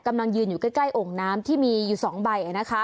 กำลังยืนอยู่ใกล้โอ่งน้ำที่มีอยู่๒ใบ